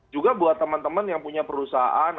juga buat teman teman yang punya perusahaan